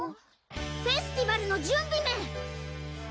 フェスティバルの準備メン！